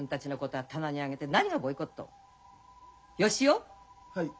はい。